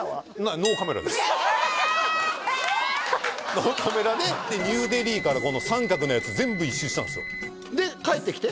ノーカメラでニューデリーから三角のやつ全部一周したんですよで帰ってきて？